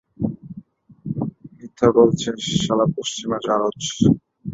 মিথ্যা বলছিস, শালা পশ্চিমা জারজ!